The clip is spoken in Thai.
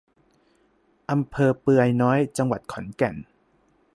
อำเภอเปือยน้อย จังหวัดขอนแก่น